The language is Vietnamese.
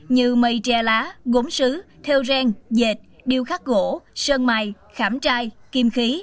như mây tre lá gốm xứ theo ren dệt điêu khắc gỗ sơn mài khảm trai kim khí